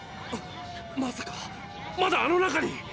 まさかまだあの中に⁉